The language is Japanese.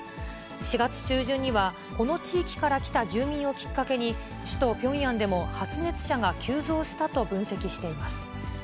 ４月中旬には、この地域から来た住民をきっかけに、首都ピョンヤンでも発熱者が急増したと分析しています。